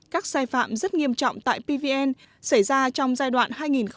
các sai phạm rất nghiêm trọng tại pvn xảy ra trong giai đoạn hai nghìn chín hai nghìn một mươi năm